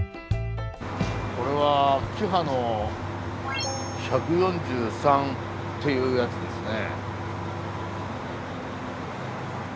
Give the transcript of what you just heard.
これはキハの１４３というやつですね。